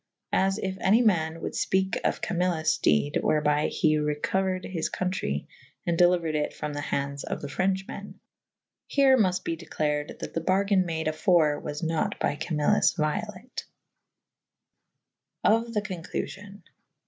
As if any ma« wolde fpeke of Camillus dede / wherby he recouered his co^trey /& delyuered it ixom the hand^j of the Frenche mew. Here mufte be declared that' the bargayne made afore was nat by Camilus violate. Of the conclufion.